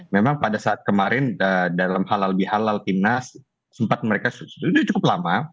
memang pada saat kemarin dalam halal bihalal timnas sempat mereka sudah cukup lama